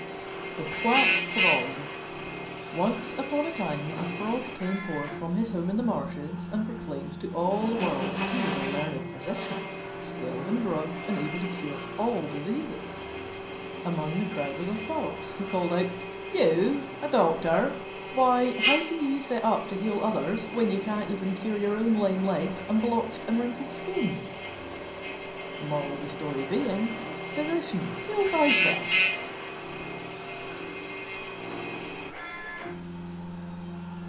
THE QUACK FROG Once upon a time a Frog came forth from his home in the marshes and proclaimed to all the world that he was a learned physician, skilled in drugs and able to cure all diseases. Among the crowd was a Fox, who called out, "You a doctor! Why, how can you set up to heal others when you cannot even cure your own lame legs and blotched and wrinkled skin?" Physician, heal thyself.